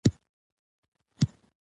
چي ملالیاني مي ور ستایلې